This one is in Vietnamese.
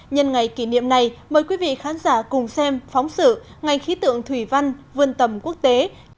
nhân ngày kỷ niệm này mời quý vị khán giả cùng xem phóng sự ngành khí tượng thủy văn vươn tầm quốc tế